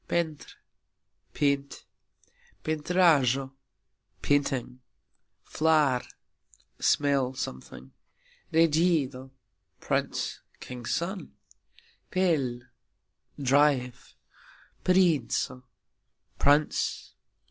pentr : paint. pentrajxo : painting. flar : smell (something). regxido : prince (king's son). pel : drive. princo : prince.